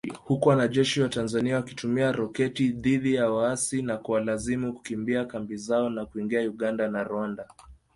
Huku wanajeshi wa Tanzania wakitumia roketi dhidi ya waasi na kuwalazimu kukimbia kambi zao na kuingia Uganda na Rwanda.